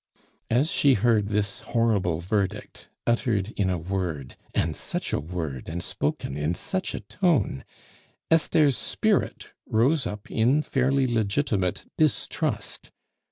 As she heard this horrible verdict, uttered in a word and such a word! and spoken in such a tone! Esther's spirit rose up in fairly legitimate distrust.